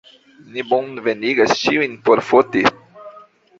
Ni bonvenigas ĉiujn por foti.